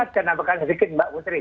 tapi kan kenapa kan sedikit mbak putri